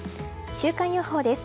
週間予報です。